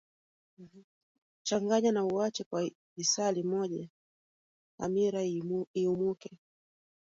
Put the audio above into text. changanya na uache kwa lisaa limoja hamira iumuke